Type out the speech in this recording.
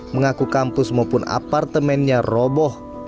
mengaku kampus maupun apartemennya roboh